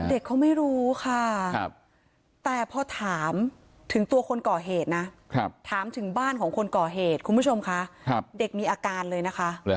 เด็กเขาไม่รู้ค่ะแต่พอถามถึงตัวคนก่อเหตุนะถามถึงบ้านของคนก่อเหตุคุณผู้ชมคะเด็กมีอาการเลยนะคะ